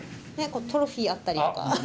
トロフィーあったりとか。